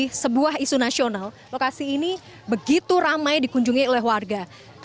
jadi sebuah isu nasional lokasi ini begitu ramai dikunjungi oleh warga